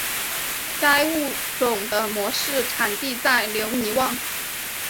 该物种的模式产地在留尼汪。